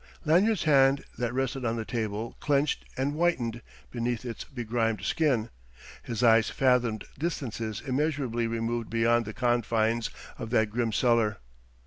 Lanyard's hand, that rested on the table, clenched and whitened beneath its begrimed skin. His eyes fathomed distances immeasurably removed beyond the confines of that grim cellar.